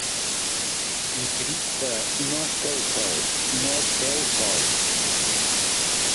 I crits de ‘no esteu sols, no esteu sols’.